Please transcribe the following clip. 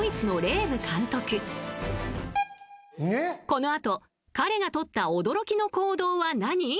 ［この後彼が取った驚きの行動は何？］